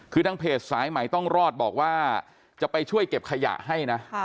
คือทางเพจสายใหม่ต้องรอดบอกว่าจะไปช่วยเก็บขยะให้นะ